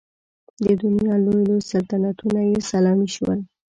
د دنیا لوی لوی سلطنتونه یې سلامي شول.